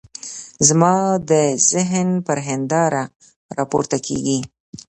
زما د ذهن پر هنداره را پورته کېږي.